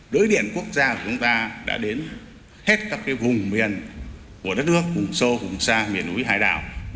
đối điện quốc gia của chúng ta đã đến hết các vùng miền của đất nước vùng sâu vùng xa miền núi hải đảo